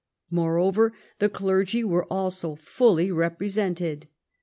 Moreover, the clergy was also fully represented.